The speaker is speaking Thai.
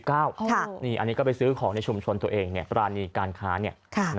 อันนี้ก็ไปซื้อของในชุมชนตัวเองเนี่ยร้านการค้าเนี่ย